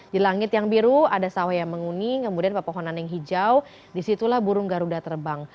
di langit yang biru ada sawah yang menguning kemudian pepohonan yang hijau disitulah burung garuda terbang